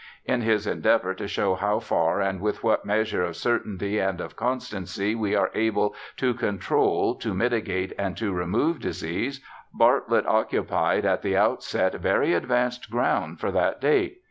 In his en deavour ' to show how far and with what measure of certainty and of constancy we are able to control, to mitigate, and to remove disease ' Bartlett occupied at the outset very advanced ground for that date.